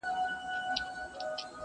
جانانه ولاړې اسماني سوې،